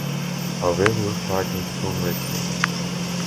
However fighting soon resumed.